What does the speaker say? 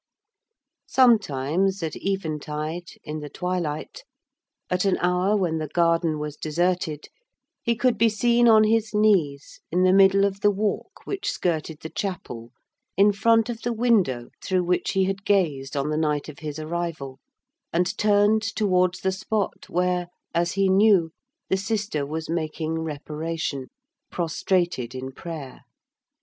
Sometimes at eventide, in the twilight, at an hour when the garden was deserted, he could be seen on his knees in the middle of the walk which skirted the chapel, in front of the window through which he had gazed on the night of his arrival, and turned towards the spot where, as he knew, the sister was making reparation, prostrated in prayer.